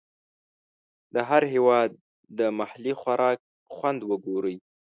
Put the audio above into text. د هر هېواد د محلي خوراک خوند وګورئ.